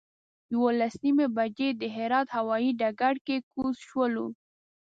یولس نیمې بجې د هرات هوایي ډګر کې کوز شولو.